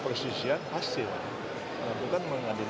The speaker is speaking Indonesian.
karena itu tidak berhubungan